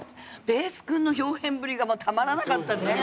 ベース君の表現ぶりがたまらなかったね。